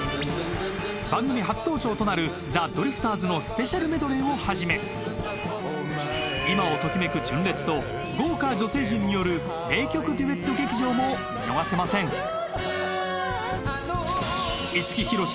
番組初登場となるザ・ドリフターズのスペシャルメドレーをはじめ今をときめく純烈と豪華女性陣による名曲デュエット劇場も見逃せません五木ひろし